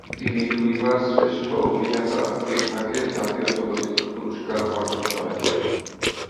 তিনি দুইবার শ্রেষ্ঠ অভিনেতা বিভাগে জাতীয় চলচ্চিত্র পুরস্কার অর্জন করেন।